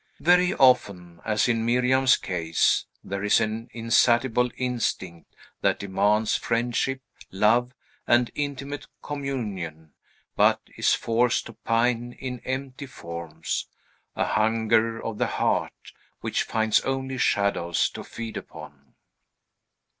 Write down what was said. Very often, as in Miriam's case, there is an insatiable instinct that demands friendship, love, and intimate communion, but is forced to pine in empty forms; a hunger of the heart, which finds only shadows to feed upon.